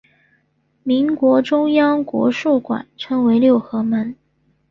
民国中央国术馆称为六合门。